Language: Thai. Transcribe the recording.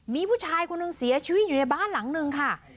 มีผู้ชายคนหนึ่งเสียชีวิตอยู่ในบ้านหลังนึงค่ะ